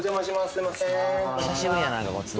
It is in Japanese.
すいません